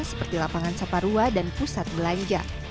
seperti lapangan saparua dan pusat belanja